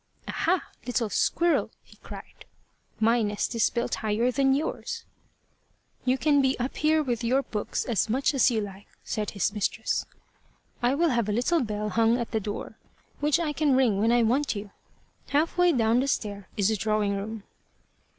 "Aha! little squirrel," he cried, "my nest is built higher than yours." "You can be up here with your books as much as you like," said his mistress. "I will have a little bell hung at the door, which I can ring when I want you. Half way down the stair is the drawing room."